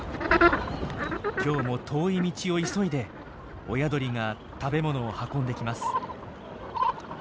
今日も遠い道を急いで親鳥が食べ物を運んできます。